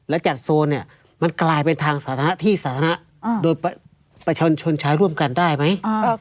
และจัดโซนเนี่ยมันกลายไปทางสาธารณะที่สาธารณะโดยประชาชนใช้ร่วมกันได้ไหม